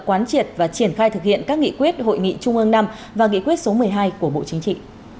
quán triệt và triển khai thực hiện các nghị quyết hội nghị trung ương năm và nghị quyết số một mươi hai của bộ chính trị